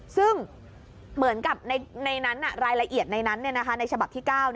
ซึ่งเหมือนกับในนั้นรายละเอียดในนั้นในฉบับที่๙